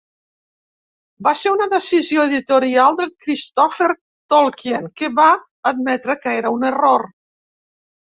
Va ser una decisió editorial de Christopher Tolkien, que va admetre que era un error.